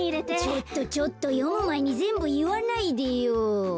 ちょっとちょっとよむまえにぜんぶいわないでよ。